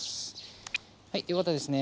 はいよかったですね。